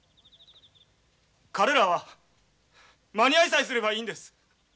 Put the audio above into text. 彼らは間に合いさえすればいいんです。